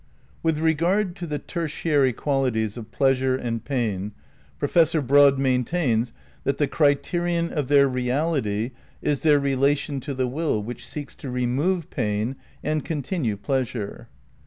With regard to the tertiary qualities of pleasure and pain, Professor Broad maintains that the criterion of their reality is their relation to the will which seeks to remove pain and continue pleasure.